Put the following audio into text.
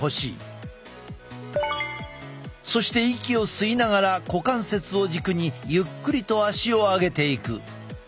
そして息を吸いながら股関節を軸にゆっくりと足を上げていく。